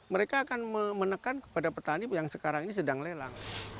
mereka akan menekan kepada petani yang sekarang ini sedang lelang